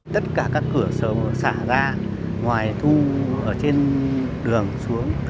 tất cả các cửa sổ xả ra ngoài thu ở trên đường xuống